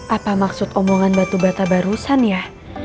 apa maksud omongan batu bata barusan ya